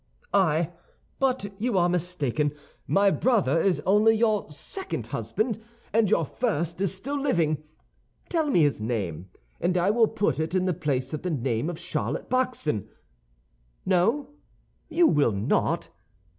"Ay, but you are mistaken. My brother is only your second husband; and your first is still living. Tell me his name, and I will put it in the place of the name of Charlotte Backson. No? You will not?